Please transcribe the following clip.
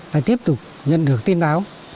lại tiếp tục nhận được tin báo